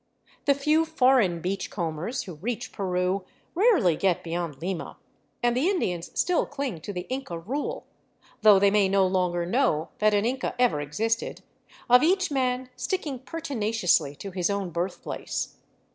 The few foreign " beach combers " who reach Peru rarely get beyond Lima, and the Indians still cling to the Inca rule — though they may no longer know that an Inca ever existed — of each man sticking pertinaciously to his own birthplace.